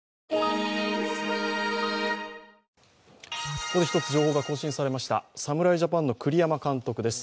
ここで１つ情報が更新されました侍ジャパンの栗山監督です。